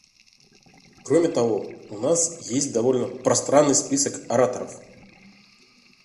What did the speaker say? Кроме того, у нас есть довольно пространный список ораторов.